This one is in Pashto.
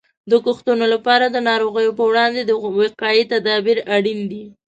د کښتونو لپاره د ناروغیو په وړاندې د وقایې تدابیر اړین دي.